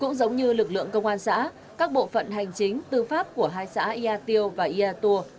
cũng giống như lực lượng công an xã các bộ phận hành chính tư pháp của hai xã ia tiêu và ia tùa